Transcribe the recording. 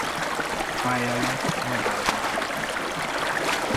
Pályáját Nagyváradon kezdte.